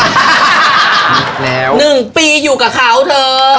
อีกแล้ว๑ปีอยู่กับเขาเถอะ